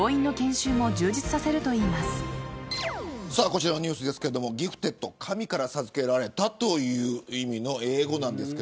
こちらのニュースギフテッド、神から授けられたという意味の英語です。